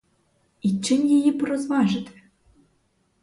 І чим її б розважити?